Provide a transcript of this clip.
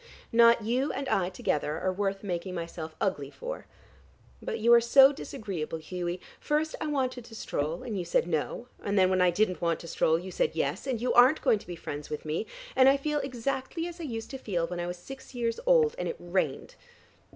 Not you and I together are worth making myself ugly for. But you are so disagreeable, Hughie: first I wanted to stroll, and you said 'no,' and then when I didn't want to stroll you said 'yes,' and you aren't going to be friends with me, and I feel exactly as I used to feel when I was six years old, and it rained.